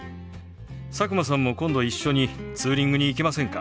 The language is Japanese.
佐久間さんも今度一緒にツーリングに行きませんか？